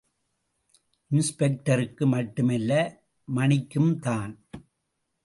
இன்ஸ்பெக்டருக்கு மட்டுமல்ல, மணிக்கும்தான்.